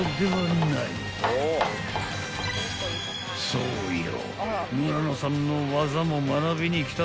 ［そうよ］